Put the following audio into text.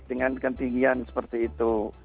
dengan ketinggian seperti itu